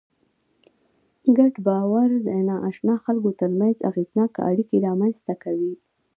ګډ باور د ناآشنا خلکو تر منځ اغېزناکه اړیکې رامنځ ته کوي.